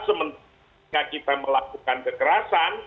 sementara kita melakukan kekerasan